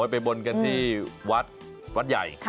ไปบนกันที่วัดวัดใหญ่